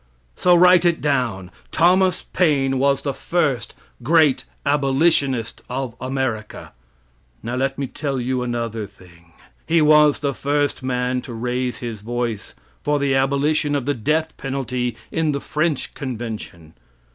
So write it down, Thomas Paine was the first great abolitionist of America. Now let me tell you another thing. He was the first man to raise his voice for the abolition of the death penalty in the French convention.